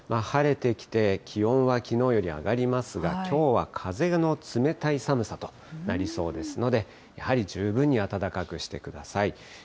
晴れてきて、気温はきのうより上がりますが、きょうは風の冷たい寒さとなりそうですので、やはり十分に暖かくしてください。